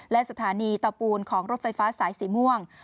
และสถานีเตาปูนของรถไฟฟ้าสายสีม่วง